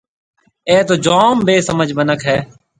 اَي تو جوم بيسمجھ مِنک هيَ۔